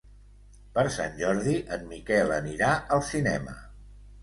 Per Sant Jordi en Miquel anirà al cinema.